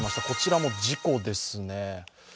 こちらも事故ですね。